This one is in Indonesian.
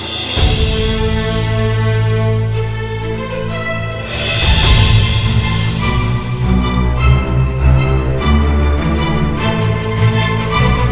kamu pegang apa tuh